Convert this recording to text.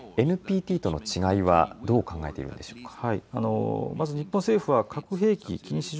ＮＰＴとの違いはどう考えているんでしょうか。